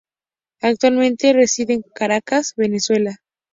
Actualmente reside en Caracas, Venezuela.